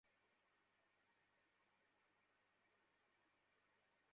মাদক বিক্রির অভিযোগে গতকাল সোমবার দুই নারীকে গ্রেপ্তার করেছে চাঁপাইনবাবগঞ্জ সদর থানা-পুলিশ।